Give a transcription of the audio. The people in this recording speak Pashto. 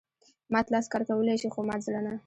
مات لاس کار کولای شي خو مات زړه نه.